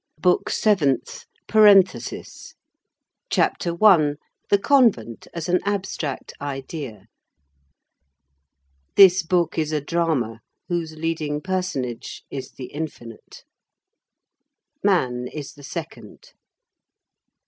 BOOK SEVENTH—PARENTHESIS CHAPTER I—THE CONVENT AS AN ABSTRACT IDEA This book is a drama, whose leading personage is the Infinite. Man is the second.